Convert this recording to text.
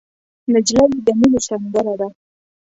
نجلۍ د مینې سندره ده.